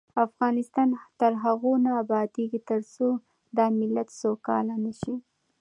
افغانستان تر هغو نه ابادیږي، ترڅو دا ملت سوکاله نشي.